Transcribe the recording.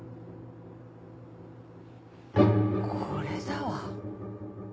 これだわ。